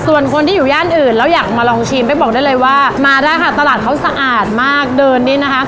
ส่วนคนที่อยู่ย่านอื่นแล้วอยากมาลองชิมไปบอกได้เลยว่ามาได้ค่ะตลาดเขาสะอาดมากเดินนี่นะคะ